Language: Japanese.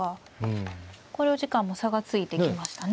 考慮時間も差がついてきましたね。